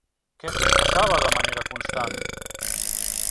Què sospesava de manera constant?